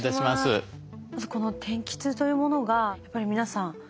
まずこの天気痛というものがやっぱり皆さん